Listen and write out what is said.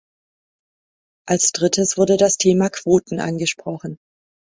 Als drittes wurde das Thema Quoten angesprochen.